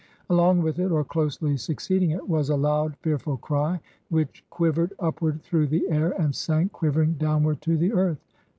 Along with it, or closely succeeding it, was a loud, fearful cry, which quivered upward through the air, and sank quivering downward to the earth.